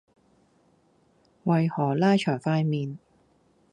為何拉長塊面